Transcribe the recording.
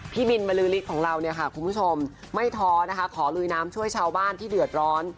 พี่บินบรือฤทธิ์ของเราเนี่ยค่ะคุณผู้ชมไม่ท้อนะคะขอลุยน้ำช่วยชาวบ้านที่เดือดร้อน